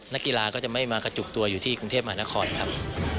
นักกีฬาก็จะไม่มากระจุกตัวอยู่ที่กรุงเทพมหานครครับ